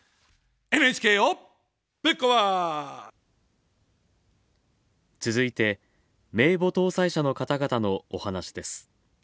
ＮＨＫをぶっ壊続いて、名簿登載者の方々の、お話です。